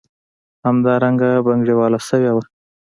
همدلته بنګړیواله شوې وه.